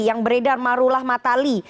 yang beredar marulah matali